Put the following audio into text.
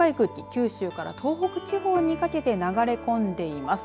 九州から東北地方にかけて流れ込んでいます。